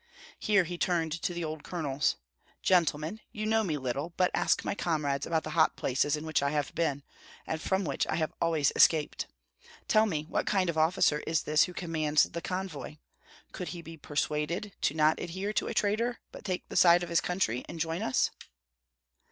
Here he turned to the old colonels: "Gentlemen, you know me little, but ask my comrades about the hot places in which I have been, and from which I have always escaped. Tell me, what kind of officer is this who commands the convoy? Could he be persuaded not to adhere to a traitor, but take the side of his country and join us?"